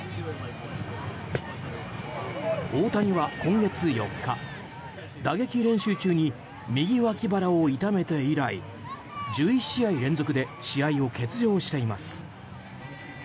大谷は今月４日打撃練習中に右脇腹を痛めて以来１１試合連続で試合を欠場しています。